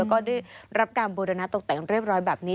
แล้วก็ได้รับการบูรณะตกแต่งเรียบร้อยแบบนี้